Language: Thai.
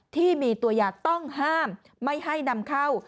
ที่มีตัวยาต้องห้ามไม่ให้นำเข้า